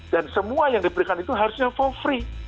dan semua yang diberikan itu harusnya for free